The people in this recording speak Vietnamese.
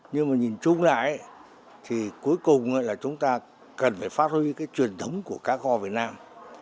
nhưng nhìn chung lại cuối cùng chúng ta cần phải phát huy truyền thống của cá kho việt nam